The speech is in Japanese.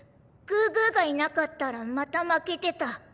グーグーがいなかったらまた負けてた。